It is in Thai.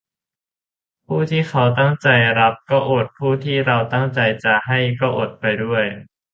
ผู้ที่เขาตั้งใจรับก็อด ผู้ที่เราตั้งใจจะให้ก็อดไปด้วย